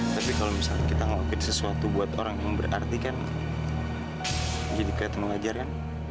sampai jumpa di video selanjutnya